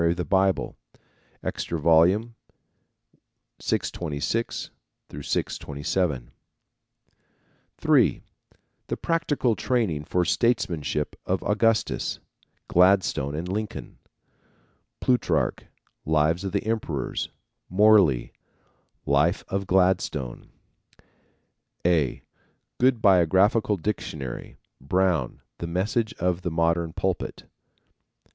of the Bible_, Extra Vol. 626 627. (3) The Practical Training for Statesmanship of Augustus, Gladstone and Lincoln. Plutarch, Lives of the Emperors; Morley, Life of Gladstone; A. good Biographical Dictionary; Brown, The Message of the Modern Pulpit.